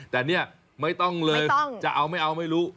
แต่เนี่ยไม่ต้องเลยจะเอาไม่เอาไม่รู้